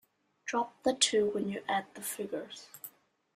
Drop the two when you add the figures.